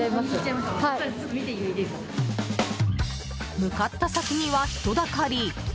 向かった先には人だかり。